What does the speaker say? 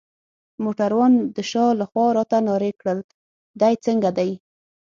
موټروان د شا لخوا راته نارې کړل: دی څنګه دی؟